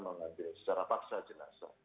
mengambil secara paksa jenazah